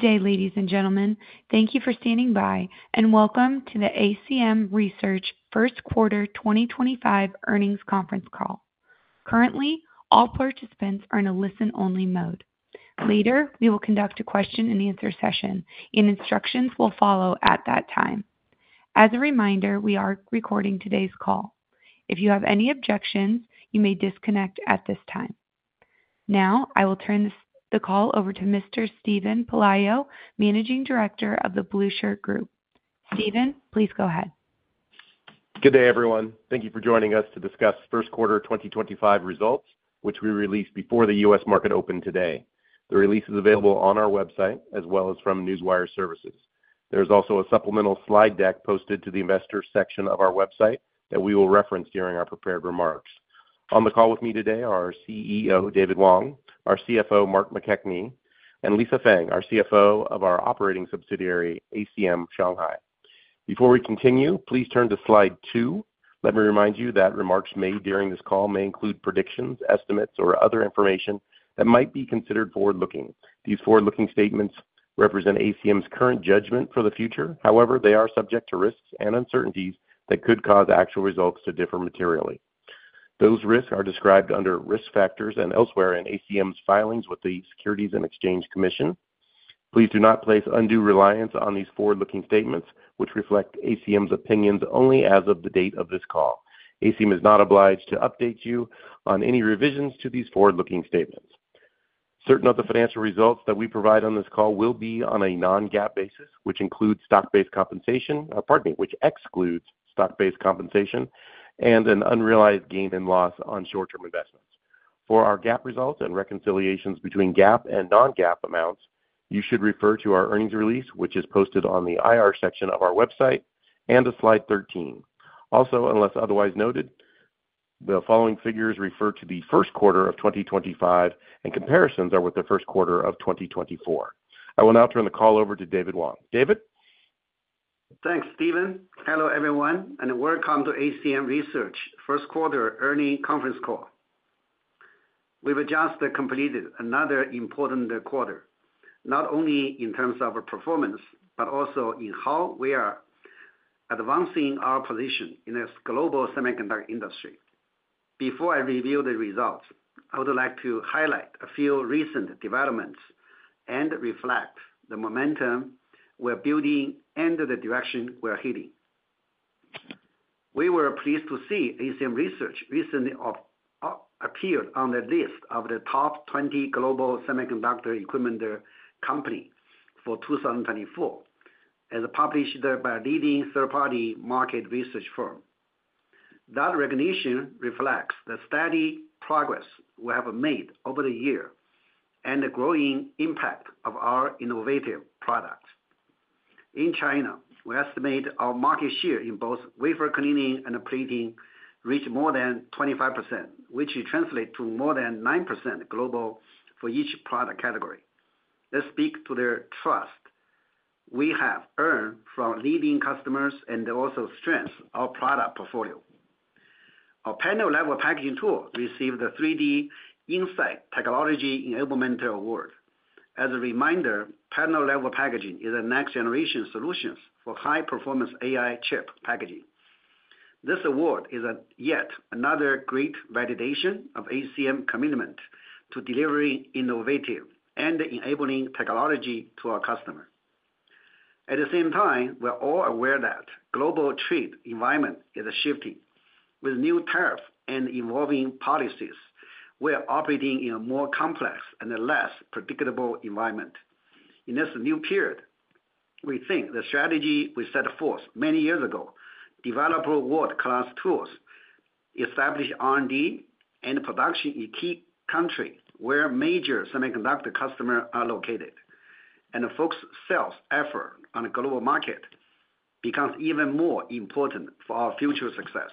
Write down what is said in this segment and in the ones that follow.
Good day, ladies and gentlemen. Thank you for standing by, and welcome to the ACM Research First Quarter 2025 earnings conference call. Currently, all participants are in a listen-only mode. Later, we will conduct a question-and-answer session, and instructions will follow at that time. As a reminder, we are recording today's call. If you have any objections, you may disconnect at this time. Now, I will turn the call over to Mr. Steven Pelayo, Managing Director of the Blue Shirt Group. Steven, please go ahead. Good day, everyone. Thank you for joining us to discuss First Quarter 2025 results, which we released before the U.S. market opened today. The release is available on our website as well as from Newswire Services. There's also a supplemental slide deck posted to the Investor section of our website that we will reference during our prepared remarks. On the call with me today are CEO David Wang, our CFO Mark McKechnie, and Lisa Fang, our CFO of our operating subsidiary ACM Shanghai. Before we continue, please turn to slide two. Let me remind you that remarks made during this call may include predictions, estimates, or other information that might be considered forward-looking. These forward-looking statements represent ACM's current judgment for the future. However, they are subject to risks and uncertainties that could cause actual results to differ materially. Those risks are described under risk factors and elsewhere in ACM's filings with the Securities and Exchange Commission. Please do not place undue reliance on these forward-looking statements, which reflect ACM's opinions only as of the date of this call. ACM is not obliged to update you on any revisions to these forward-looking statements. Certain of the financial results that we provide on this call will be on a non-GAAP basis, which excludes stock-based compensation and an unrealized gain and loss on short-term investments. For our GAAP results and reconciliations between GAAP and non-GAAP amounts, you should refer to our earnings release, which is posted on the IR section of our website, and to slide 13. Also, unless otherwise noted, the following figures refer to the first quarter of 2025, and comparisons are with the first quarter of 2024. I will now turn the call over to David Wang. David? Thanks, Steven. Hello, everyone, and welcome to ACM Research First Quarter earnings conference call. We've just completed another important quarter, not only in terms of performance but also in how we are advancing our position in this global semiconductor industry. Before I reveal the results, I would like to highlight a few recent developments and reflect the momentum we're building and the direction we're heading. We were pleased to see ACM Research recently appeared on the list of the top 20 global semiconductor equipment companies for 2024, as published by a leading third-party market research firm. That recognition reflects the steady progress we have made over the year and the growing impact of our innovative products. In China, we estimate our market share in both wafer cleaning and plating reached more than 25%, which translates to more than 9% global for each product category. Let's speak to the trust we have earned from leading customers and also strengths our product portfolio. Our panel-level packaging tool received the 3D InCites Technology Enablement Award. As a reminder, panel-level packaging is a next-generation solution for high-performance AI chip packaging. This award is yet another great validation of ACM's commitment to delivering innovative and enabling technology to our customers. At the same time, we're all aware that the global trade environment is shifting. With new tariffs and evolving policies, we're operating in a more complex and less predictable environment. In this new period, we think the strategy we set forth many years ago, develop world-class tools, establish R&D and production in key countries where major semiconductor customers are located, and the focus sales effort on the global market becomes even more important for our future success.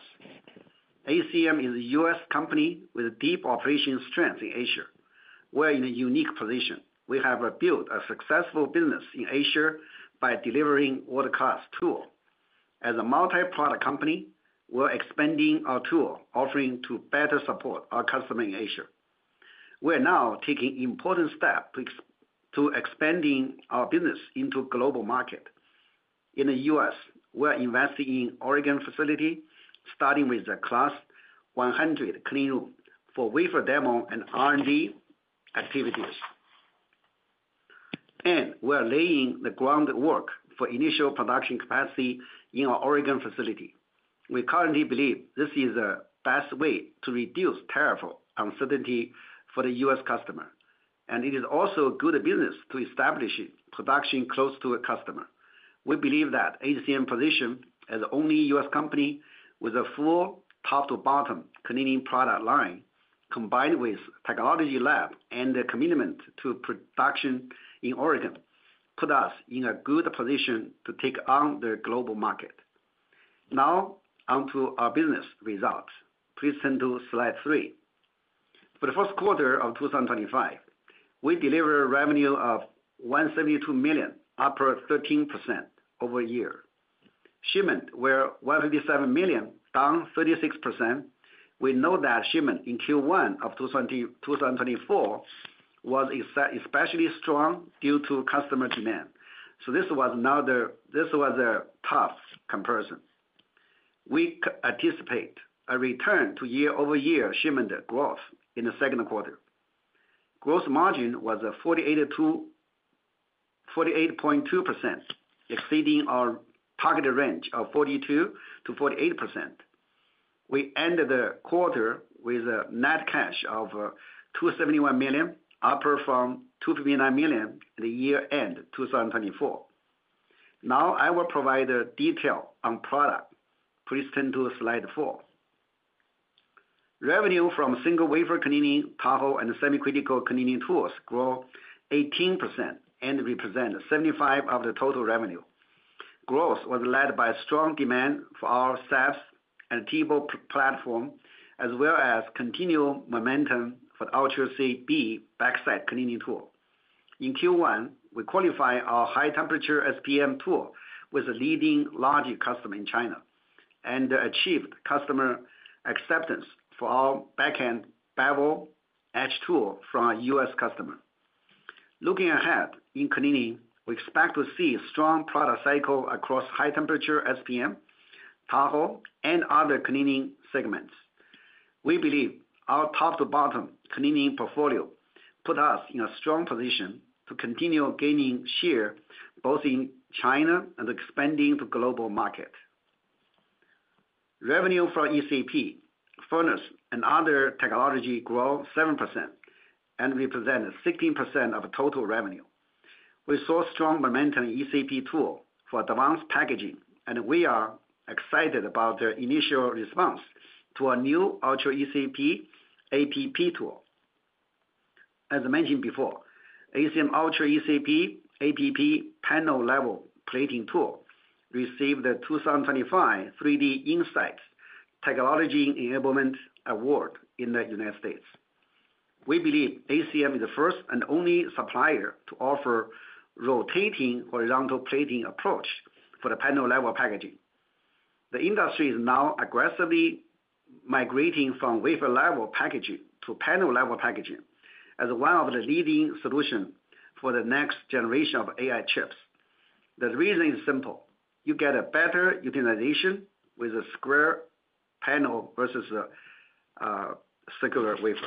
ACM is a U.S. company with deep operational strength in Asia. We're in a unique position. We have built a successful business in Asia by delivering world-class tools. As a multi-product company, we're expanding our tool offering to better support our customers in Asia. We're now taking important steps to expand our business into the global market. In the U.S., we're investing in an Oregon facility, starting with a Class 100 cleanroom for wafer demo and R&D activities. We're laying the groundwork for initial production capacity in our Oregon facility. We currently believe this is the best way to reduce tariff uncertainty for the U.S. customer, and it is also good business to establish production close to a customer. We believe that ACM's position as the only U.S. company with a full top-to-bottom cleaning product line, combined with technology lab and the commitment to production in Oregon, puts us in a good position to take on the global market. Now, on to our business results. Please turn to slide three. For the first quarter of 2025, we delivered a revenue of $172 million, up 13% over a year. Shipment was $157 million, down 36%. We know that shipment in Q1 of 2024 was especially strong due to customer demand. This was a tough comparison. We anticipate a return to year-over-year shipment growth in the second quarter. Gross margin was 48.2%, exceeding our target range of 42%-48%. We ended the quarter with a net cash of $271 million, up from $259 million at the year-end 2024. Now, I will provide details on product. Please turn to slide four. Revenue from single wafer cleaning, Tahoe, and semicritical cleaning tools grew 18% and represented 75% of the total revenue. Growth was led by strong demand for our SAS and TEBO platform, as well as continued momentum for the Ultra CB backside cleaning tool. In Q1, we qualified our high-temperature SPM tool with a leading large customer in China and achieved customer acceptance for our back-end Bevel Edge tool from a U.S. customer. Looking ahead in cleaning, we expect to see a strong product cycle across high-temperature SPM, Tahoe, and other cleaning segments. We believe our top-to-bottom cleaning portfolio puts us in a strong position to continue gaining share both in China and expanding to the global market. Revenue from ECP, furnace, and other technology grew 7% and represented 16% of total revenue. We saw strong momentum in ECP tools for advanced packaging, and we are excited about their initial response to our new Ultra ECP APP tool. As mentioned before, ACM Ultra ECP APP panel-level plating tool received the 2025 3D Insight Technology Enablement Award in the United States. We believe ACM is the first and only supplier to offer rotating hodrizontal plating approach for the panel-level packaging. The industry is now aggressively migrating from wafer-level packaging to panel-level packaging as one of the leading solutions for the next generation of AI chips. The reason is simple. You get a better utilization with a square panel versus a circular wafer.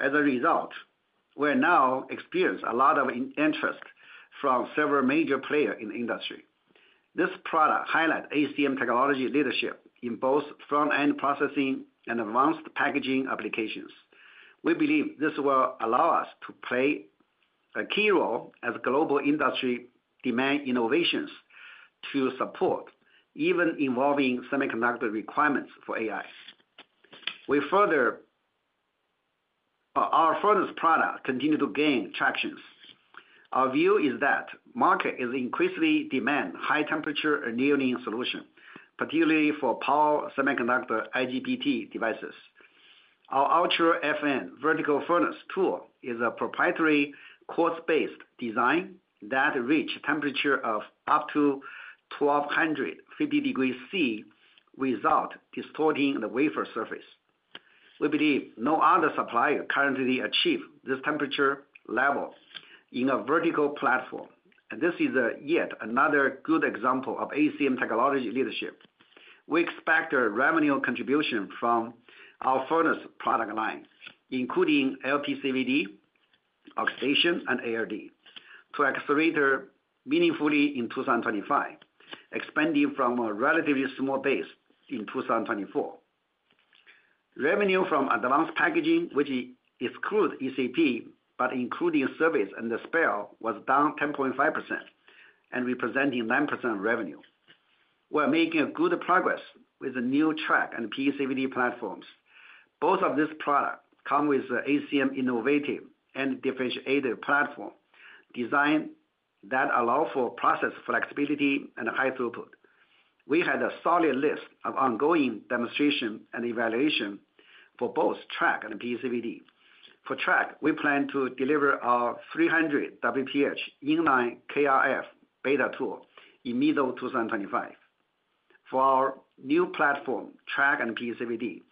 As a result, we're now experiencing a lot of interest from several major players in the industry. This product highlights ACM's technology leadership in both front-end processing and advanced packaging applications. We believe this will allow us to play a key role as global industry demands innovations to support even evolving semiconductor requirements for AI. Our furnace product continues to gain traction. Our view is that the market is increasingly demanding high-temperature annealing solutions, particularly for power semiconductor IGBT devices. Our Ultra FN vertical furnace tool is a proprietary core-based design that reaches temperatures of up to 1,250 degrees Celsius without distorting the wafer surface. We believe no other supplier currently achieves this temperature level in a vertical platform, and this is yet another good example of ACM's technology leadership. We expect a revenue contribution from our furnace product line, including LPCVD, oxidation, and ARD, to accelerate meaningfully in 2025, expanding from a relatively small base in 2024. Revenue from advanced packaging, which excludes ECP but includes service and spare, was down 10.5% and representing 9% of revenue. We're making good progress with the new track and PCVD platforms. Both of these products come with ACM's innovative and differentiated platform design that allows for process flexibility and high throughput. We had a solid list of ongoing demonstrations and evaluations for both track and PCVD. For track, we plan to deliver our 300 WPH Inline KRF beta tool in mid-2025. For our new platform, track and PCVD,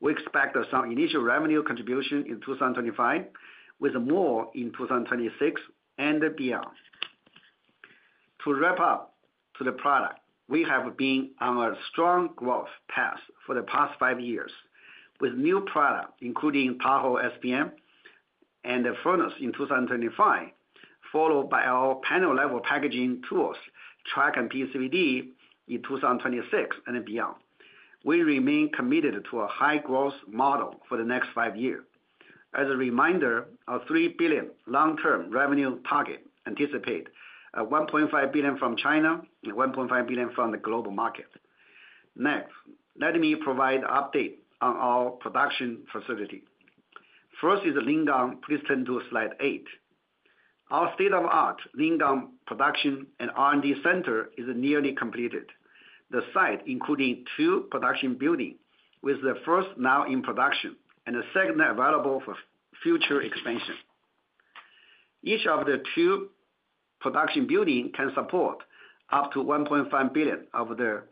we expect some initial revenue contribution in 2025, with more in 2026 and beyond. To wrap up the product, we have been on a strong growth path for the past five years with new products, including Tahoe SPM and furnace in 2025, followed by our panel-level packaging tools, track and PCVD in 2026 and beyond. We remain committed to a high-growth model for the next five years. As a reminder, our $3 billion long-term revenue target anticipates $1.5 billion from China and $1.5 billion from the global market. Next, let me provide an update on our production facility. First is Lingang. Please turn to slide eight. Our state-of-the-art Lingang production and R&D center is nearly completed. The site, including two production buildings, is the first now in production and the second available for future expansion. Each of the two production buildings can support up to $1.5 billion of the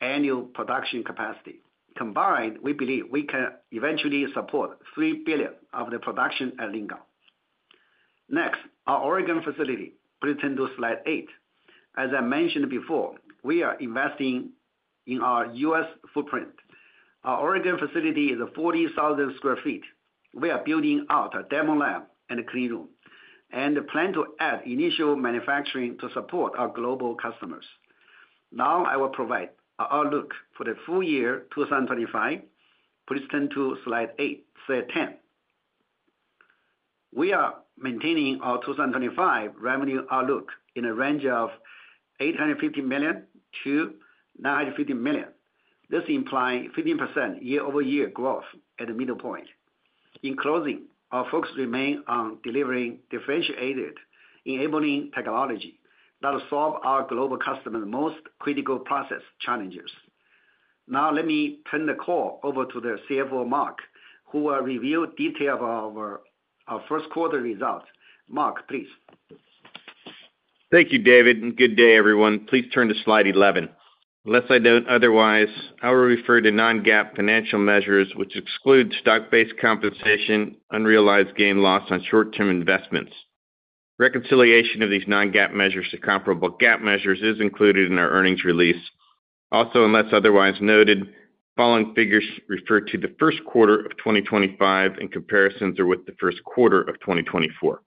annual production capacity. Combined, we believe we can eventually support $3 billion of the production at Lingang. Next, our Oregon facility. Please turn to slide eight. As I mentioned before, we are investing in our U.S. footprint. Our Oregon facility is 40,000 sq ft. We are building out a demo lab and a cleanroom and plan to add initial manufacturing to support our global customers. Now, I will provide an outlook for the full year 2025. Please turn to slide eight. Slide 10. We are maintaining our 2025 revenue outlook in a range of $850 million-$950 million. This implies 15% year-over-year growth at the middle point. In closing, our focus remains on delivering differentiated, enabling technology that solves our global customers' most critical process challenges. Now, let me turn the call over to the CFO, Mark, who will review details of our first quarter results. Mark, please. Thank you, David. And good day, everyone. Please turn to slide 11. Unless I note otherwise, I will refer to non-GAAP financial measures, which exclude stock-based compensation, unrealized gain/loss on short-term investments. Reconciliation of these non-GAAP measures to comparable GAAP measures is included in our earnings release. Also, unless otherwise noted, the following figures refer to the first quarter of 2025 and comparisons are with the first quarter of 2024.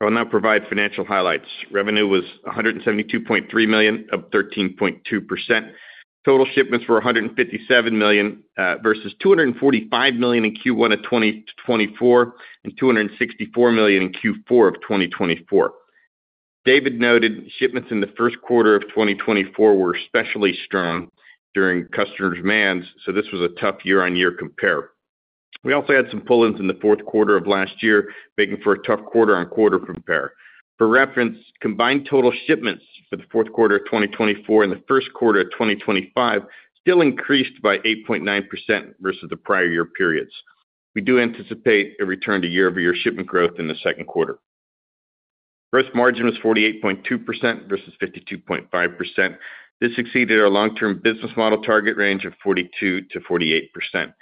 I will now provide financial highlights. Revenue was $172.3 million up 13.2%. Total shipments were $157 million versus $245 million in Q1 of 2024 and $264 million in Q4 of 2024. David noted shipments in the first quarter of 2024 were especially strong during customer demands, so this was a tough year-on-year compare. We also had some pull-ins in the fourth quarter of last year, making for a tough quarter-on-quarter compare. For reference, combined total shipments for the fourth quarter of 2024 and the first quarter of 2025 still increased by 8.9% versus the prior year periods. We do anticipate a return to year-over-year shipment growth in the second quarter. Gross margin was 48.2% versus 52.5%. This exceeded our long-term business model target range of 42%-48%.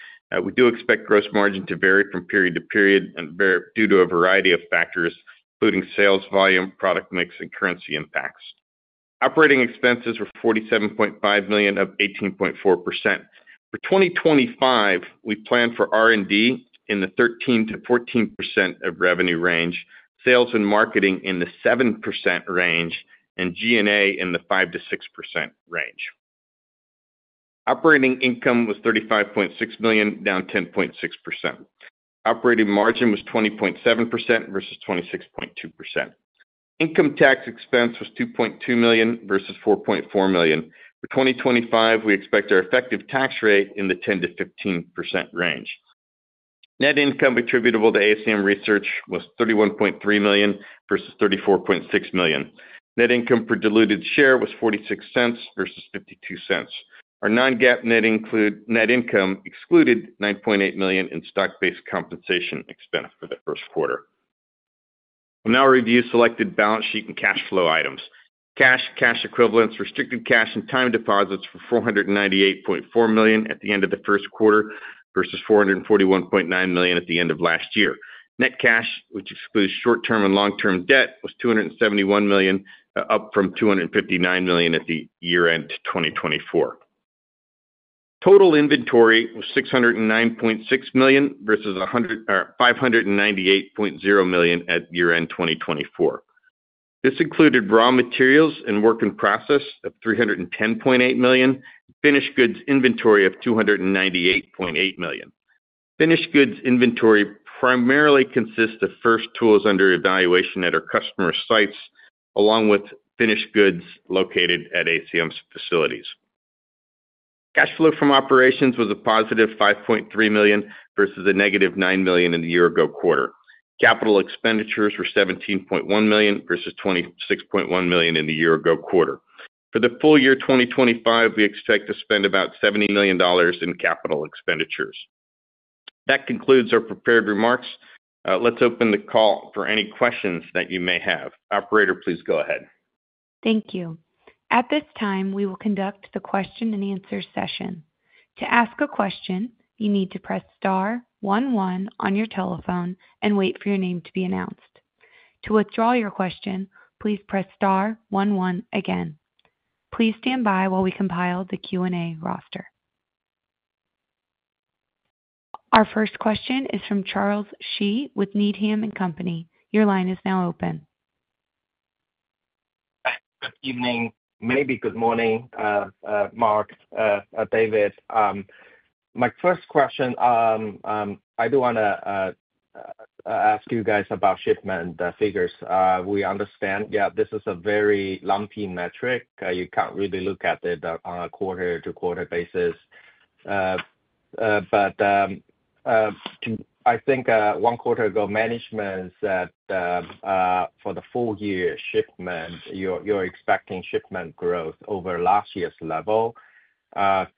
We do expect gross margin to vary from period to period due to a variety of factors, including sales volume, product mix, and currency impacts. Operating expenses were $47.5 million up 18.4%. For 2025, we plan for R&D in the 13%-14% of revenue range, sales and marketing in the 7% range, and G&A in the 5%-6% range. Operating income was $35.6 million, down 10.6%. Operating margin was 20.7% versus 26.2%. Income tax expense was $2.2 million versus $4.4 million. For 2025, we expect our effective tax rate in the 10%-15% range. Net income attributable to ACM Research was $31.3 million versus $34.6 million. Net income per diluted share was $0.46 versus $0.52. Our non-GAAP net income excluded $9.8 million in stock-based compensation expense for the first quarter. I'll now review selected balance sheet and cash flow items. Cash, cash equivalents, restricted cash, and time deposits were $498.4 million at the end of the first quarter versus $441.9 million at the end of last year. Net cash, which excludes short-term and long-term debt, was $271 million, up from $259 million at the year-end 2024. Total inventory was $609.6 million versus $598.0 million at year-end 2024. This included raw materials and work in process of $310.8 million, finished goods inventory of $298.8 million. Finished goods inventory primarily consists of first tools under evaluation at our customer sites, along with finished goods located at ACM's facilities. Cash flow from operations was a positive $5.3 million versus a negative $9 million in the year-ago quarter. Capital expenditures were $17.1 million versus $26.1 million in the year-ago quarter. For the full year 2025, we expect to spend about $70 million in capital expenditures. That concludes our prepared remarks. Let's open the call for any questions that you may have. Operator, please go ahead. Thank you. At this time, we will conduct the question-and-answer session. To ask a question, you need to press star 11 on your telephone and wait for your name to be announced. To withdraw your question, please press star 11 again. Please stand by while we compile the Q&A roster. Our first question is from Charles Shi with Needham & Company. Your line is now open. Good evening. Maybe good morning, Mark, David. My first question, I do want to ask you guys about shipment figures. We understand, yeah, this is a very lumpy metric. You can't really look at it on a quarter-to-quarter basis. I think one quarter ago, management said for the full-year shipment, you're expecting shipment growth over last year's level.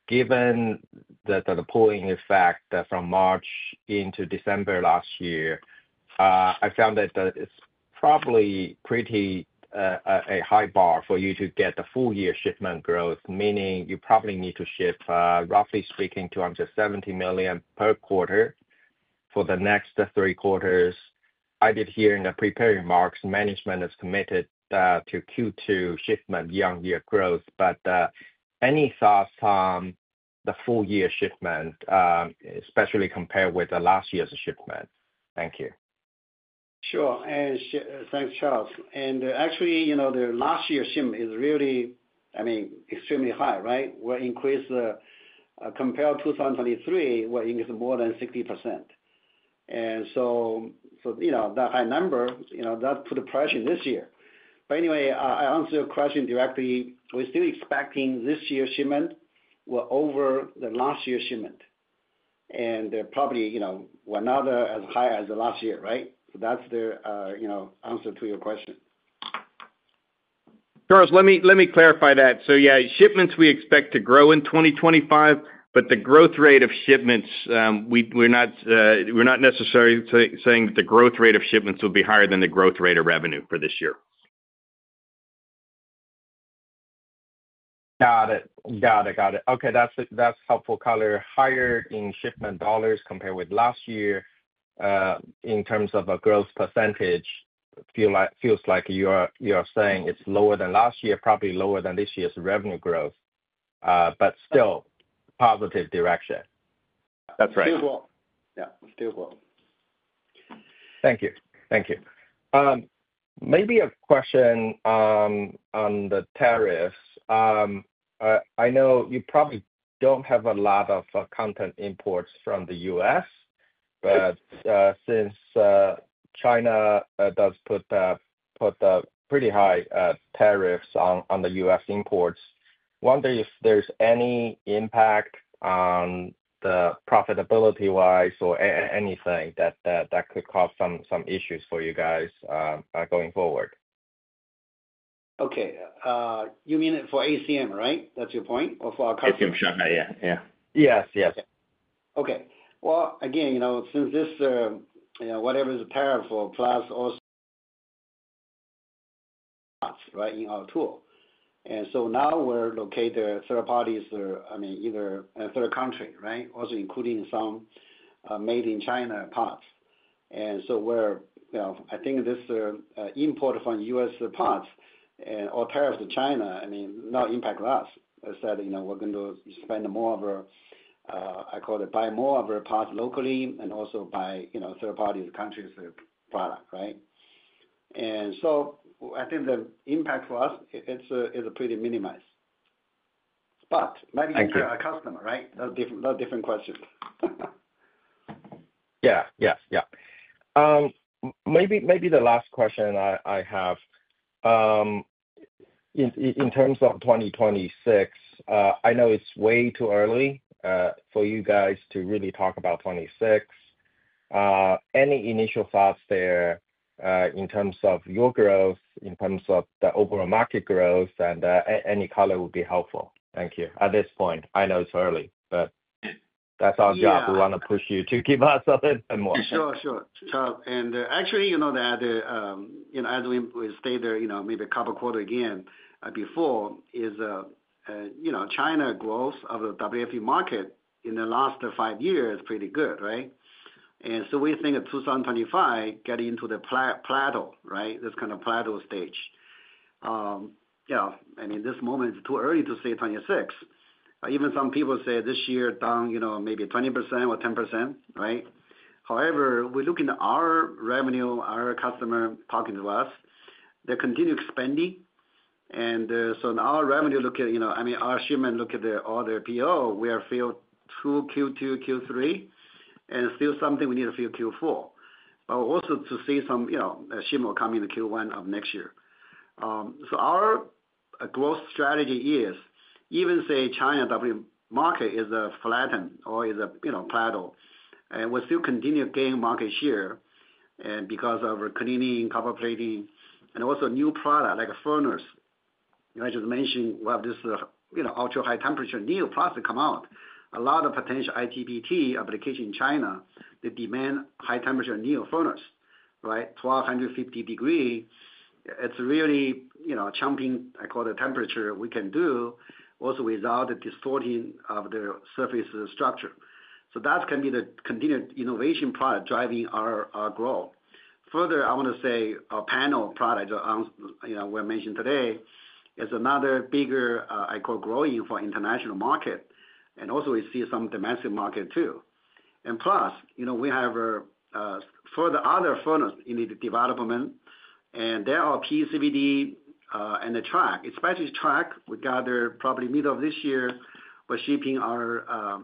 Given the pulling effect from March into December last year, I found that it's probably pretty a high bar for you to get the full-year shipment growth, meaning you probably need to ship, roughly speaking, $270 million per quarter for the next three quarters. I did hear in the prepared remarks, management is committed to Q2 shipment year-on-year growth. Any thoughts on the full-year shipment, especially compared with last year's shipment? Thank you. Sure. Thanks, Charles. Actually, the last year's shipment is really, I mean, extremely high, right? We're increased compared to 2023, we're increased more than 60%. That high number, that put a pressure this year. Anyway, I answer your question directly. We're still expecting this year's shipment will over the last year's shipment. Probably we're not as high as last year, right? That's the answer to your question. Charles, let me clarify that. Yeah, shipments we expect to grow in 2025, but the growth rate of shipments, we're not necessarily saying that the growth rate of shipments will be higher than the growth rate of revenue for this year. Got it. Got it. Got it. Okay. That's helpful, Color. Higher in shipment dollars compared with last year in terms of a growth percentage. Feels like you are saying it's lower than last year, probably lower than this year's revenue growth, but still positive direction. That's right. Still growth. Yeah, still growth. Thank you. Thank you. Maybe a question on the tariffs. I know you probably do not have a lot of content imports from the U.S., but since China does put pretty high tariffs on the U.S. imports, wonder if there's any impact on the profitability-wise or anything that could cause some issues for you guys going forward. Okay. You mean for ACM, right? That is your point? Or for our customers? ACM Shanghai, yeah. Yeah. Yes. Yes. Okay. Again, since this whatever is a tariff for plus also parts, right, in our tool. Now we are located third parties or, I mean, either a third country, right, also including some made-in-China parts. I think this import from U.S. parts or tariffs to China, I mean, does not impact us. Instead, we are going to spend more of a, I call it, buy more of a part locally and also buy third-party countries' product, right? I think the impact for us is pretty minimized. Maybe your customer, right? That is a different question. Yeah. Yes. Yeah. Maybe the last question I have in terms of 2026, I know it is way too early for you guys to really talk about '26. Any initial thoughts there in terms of your growth, in terms of the overall market growth, and any color would be helpful. Thank you. At this point, I know it's early, but that's our job. We want to push you to give us a little bit more. Sure. Sure. Actually, as we stay there, maybe a couple of quarters again before, is China growth of the WFE market in the last five years pretty good, right? We think of 2025 getting into the plateau, right, this kind of plateau stage. Yeah. I mean, this moment is too early to say 2026. Even some people say this year down maybe 20% or 10%, right? However, we're looking at our revenue, our customer talking to us, they're continuing expanding. Our revenue look at, I mean, our shipment look at all their PO, we are filled Q2, Q3, and still something we need to fill Q4. Also to see some shipment coming into Q1 of next year. Our growth strategy is even say China market is a flattened or is a plateau. We'll still continue gaining market share because of cleaning, copper plating, and also new product like furnaces. I just mentioned we have this ultra-high temperature needle plastic come out. A lot of potential ITPT application in China, they demand high-temperature needle furnaces, right? 1,250 degrees Celsius. It's really champing, I call it, temperature we can do also without the distorting of the surface structure. That can be the continued innovation product driving our growth. Further, I want to say our panel product we mentioned today is another bigger, I call it, growing for international market. Also we see some domestic market too. Plus, we have further other furnaces in the development. There are PCVD and the track, especially track. We gather probably middle of this year for shipping our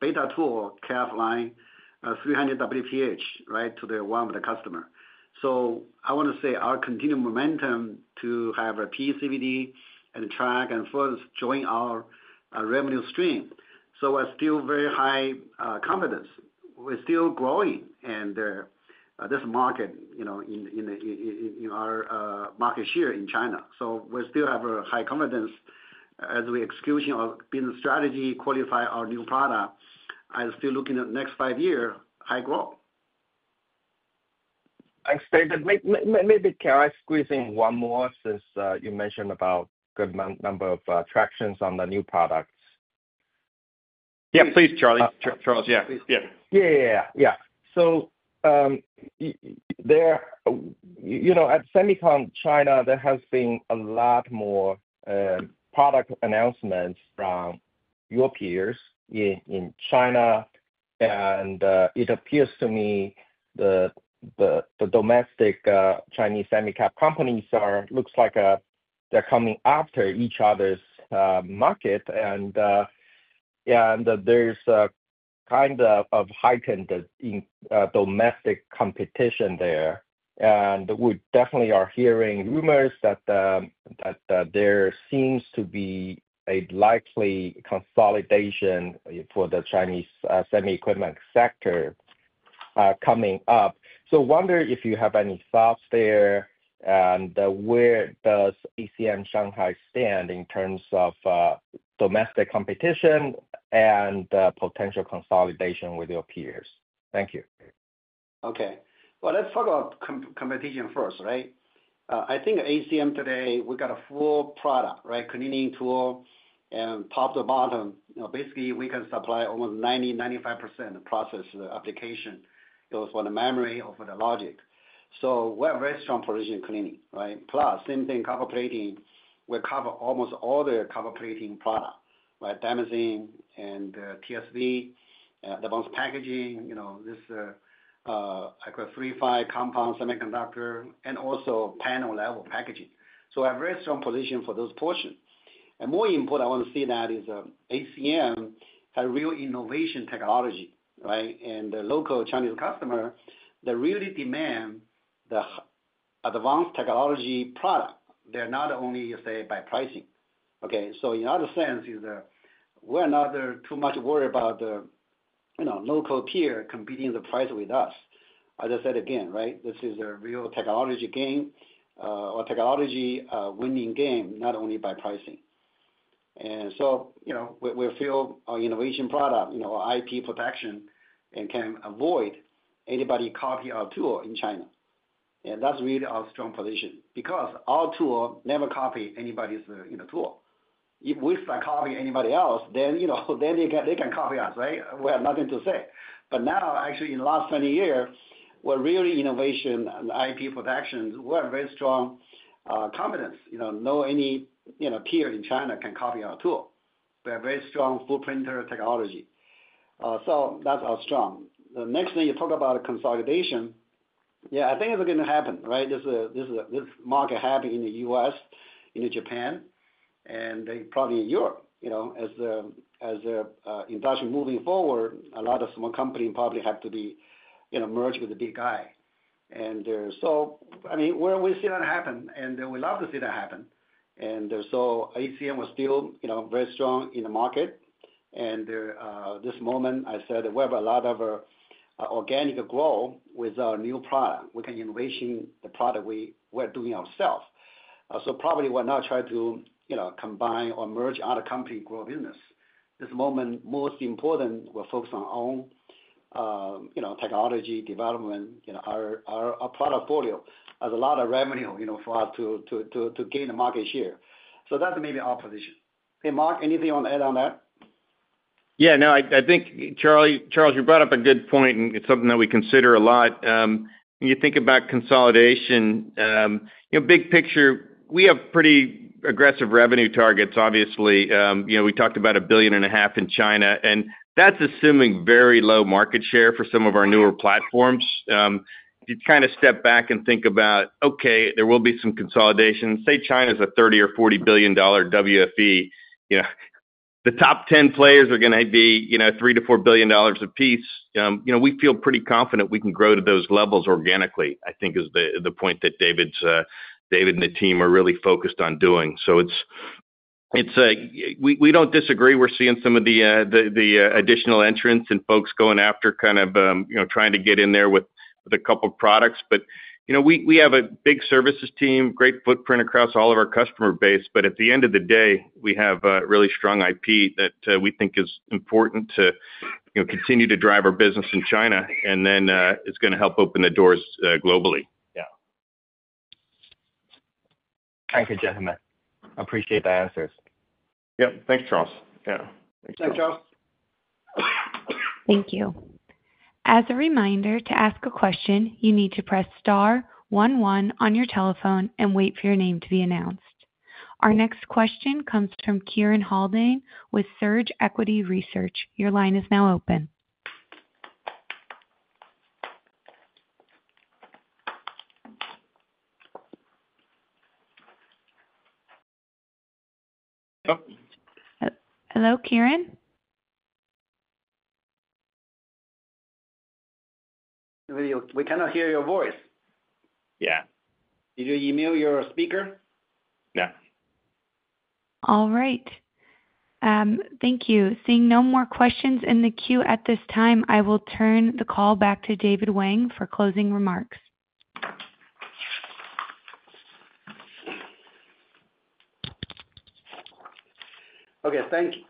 beta tool, KRF line, 300 WPH, right, to the Walmart customer. I want to say our continued momentum to have a PCVD and track and further join our revenue stream. We are still very high confidence. We are still growing in this market in our market share in China. We still have a high confidence as we execute our business strategy, qualify our new product. I am still looking at next five-year high growth. Thanks, David. Maybe can I squeeze in one more since you mentioned about a good number of tractions on the new products? Yeah, please, Charles. Charles, yeah. So at Semicom, China, there has been a lot more product announcements from your peers in China. It appears to me the domestic Chinese semiconductor companies look like they're coming after each other's market. There's a kind of heightened domestic competition there. We definitely are hearing rumors that there seems to be a likely consolidation for the Chinese semi-equipment sector coming up. I wonder if you have any thoughts there and where does ACM Shanghai stand in terms of domestic competition and potential consolidation with your peers. Thank you. Okay. Let's talk about competition first, right? I think ACM today, we got a full product, right? Cleaning tool and top to bottom. Basically, we can supply almost 90-95% process application. Those for the memory or for the logic. We have a very strong position in cleaning, right? Plus, same thing, copper plating. We cover almost all the copper plating product, right? Dimethylene and TSV, advanced packaging, this I call it III-V compound semiconductor, and also panel-level packaging. We have a very strong position for those portions. More important, I want to say that is ACM has real innovation technology, right? The local Chinese customer, they really demand the advanced technology product. They're not only, you say, by pricing. Okay. In other sense, we're not too much worried about the local peer competing the price with us. As I said again, right, this is a real technology game or technology winning game, not only by pricing. We feel our innovation product, our IP protection, can avoid anybody copying our tool in China. That is really our strong position because our tool never copies anybody's tool. If we start copying anybody else, then they can copy us, right? We have nothing to say. Actually, in the last 20 years, we are really innovation and IP protection. We have very strong confidence. No peer in China can copy our tool. We have very strong footprint or technology. That is our strong. The next thing, you talk about consolidation, yeah, I think it is going to happen, right? This market happened in the U.S., in Japan, and probably in Europe. As the industry moves forward, a lot of small companies probably have to be merged with the big guy. I mean, we see that happen, and we love to see that happen. ACM was still very strong in the market. At this moment, I said, we have a lot of organic growth with our new product. We can innovate the product we're doing ourselves. Probably we're not trying to combine or merge other companies' growth business. At this moment, most important, we're focused on our own technology development, our portfolio. There's a lot of revenue for us to gain a market share. That's maybe our position. Hey, Mark, anything you want to add on that? Yeah. No, I think, Charles, you brought up a good point, and it's something that we consider a lot. When you think about consolidation, big picture, we have pretty aggressive revenue targets, obviously. We talked about a billion and a half in China. That's assuming very low market share for some of our newer platforms. If you kind of step back and think about, okay, there will be some consolidation. Say China is a $30 billion-$40 billion WFE. The top 10 players are going to be $3 billion-$4 billion apiece. We feel pretty confident we can grow to those levels organically, I think, is the point that David and the team are really focused on doing. We do not disagree. We are seeing some of the additional entrants and folks going after kind of trying to get in there with a couple of products. We have a big services team, great footprint across all of our customer base. At the end of the day, we have really strong IP that we think is important to continue to drive our business in China, and then it is going to help open the doors globally. Yeah. Thank you, gentlemen. I appreciate the answers. Yep. Thanks, Charles. Thank you. As a reminder, to ask a question, you need to press star 11 on your telephone and wait for your name to be announced. Our next question comes from Kieran Haldane with Surge Equity Research. Your line is now open. Hello. Hello, Kieran. We cannot hear your voice. Did you email your speaker? All right. Thank you. Seeing no more questions in the queue at this time, I will turn the call back to David Wang for closing remarks. Thank you.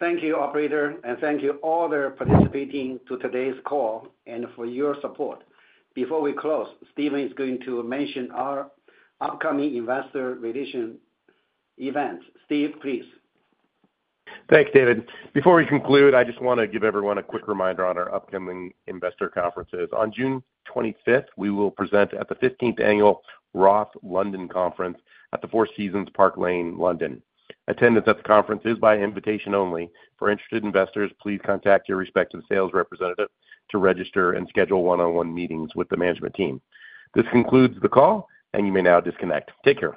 Thank you, operator, and thank you all that are participating to today's call and for your support. Before we close, Steven is going to mention our upcoming investor relation events. Steve, please. Thanks, David. Before we conclude, I just want to give everyone a quick reminder on our upcoming investor conferences. On June 25th, we will present at the 15th Annual Roth London Conference at the Four Seasons Park Lane, London. Attendance at the conference is by invitation only. For interested investors, please contact your respective sales representative to register and schedule one-on-one meetings with the management team. This concludes the call, and you may now disconnect. Take care.